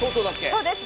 そうです。